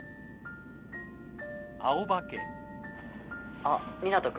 あっ湊斗君？